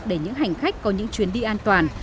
để những hành khách có những chuyến đi an toàn